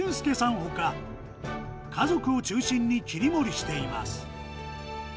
ほか、家族を中心に切り盛りしています。